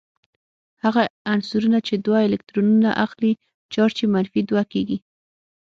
هغه عنصرونه چې دوه الکترونونه اخلې چارج یې منفي دوه کیږي.